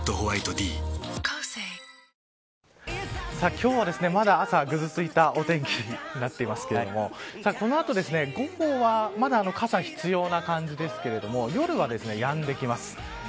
今日はまだ朝、ぐずついたお天気になっていますけれどもこの後、午後はまだ傘が必要な感じですけれども夜はやんできます。